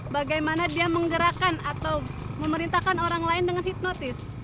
bagaimana dia menggerakkan atau memerintahkan orang lain dengan hipnotis